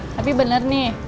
tapi bener nih